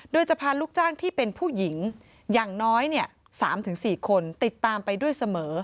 โดยจะพาลูกจ้างที่เป็นผู้หญิงอย่างน้อย๓๔คนติดตามไปด้วยเสมอ